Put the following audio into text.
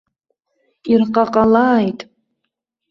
Ирҟаҟалааит!